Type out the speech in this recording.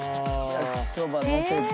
焼きそばのせて。